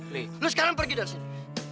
nih lo sekarang pergi dari sini